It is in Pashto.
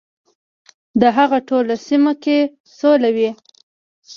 د هغه ټوله سیمه کې سوله وي .